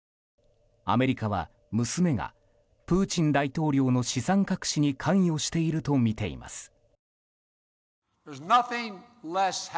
アメリカは娘がプーチン大統領の資産隠しに関与しているとみています。